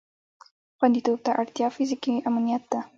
خوندیتوب ته اړتیا فیزیکي امنیت ده.